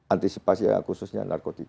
antisipasi khususnya narkotika